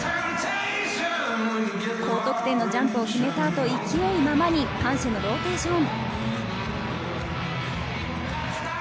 高得点のジャンプを決めた後、勢いのままにパンシェのローテーション。